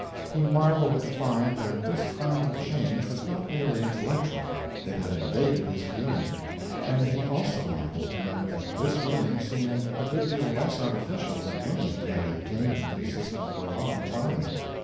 He marveled to find that this final change was not merely intellectual, it had invaded his feeling; and he also marveled to note that this feeling seemed a good deal less artificial than any he had entertained in his system for a long time.